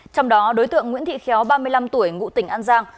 trong đó đối tượng nguyễn thị khéo ba mươi năm tuổi ngụ tỉnh an giang